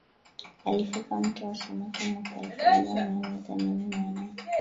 Alifika mto wa samaki mwaka elfu moja mia nne themanini na nane